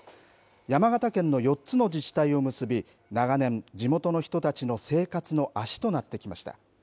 山形県の４つの自治体を結び長年地元の人たちの生活の足となってきました。